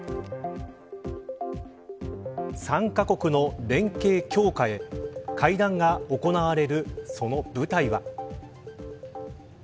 ３カ国の連携強化へ会談が行われるその舞台は。